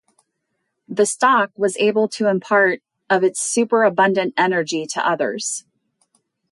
The stock was able to impart of its superabundant energy to others.